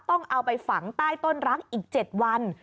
ต้องเอาไปฝังใต้ต้นรักอีก๗วัน